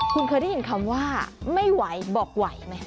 คุณเคยได้ยินคำว่าไม่ไหวบอกไหวไหม